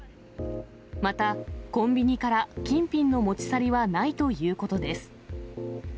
また、コンビニから金品の持ち去りはないということです。